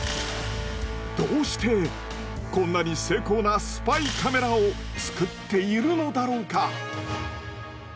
どうしてこんなに精巧なスパイカメラを作っているのだろうか。